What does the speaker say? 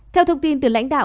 theo thông tin từ lãnh đạo